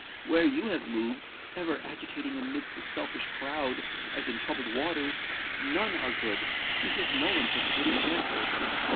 Where you have moved—ever agitating amidst the selfish crowd, as in troubled waters—none are good, because no one sets a good example.